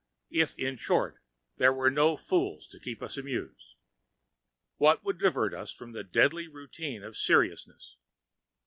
if, in short, there were no fools to keep us amused. What would divert us from the deadly routine of seriousness?